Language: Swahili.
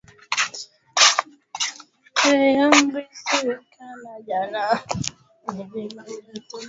uchimbaji wa madini katika baadhi ya maeneo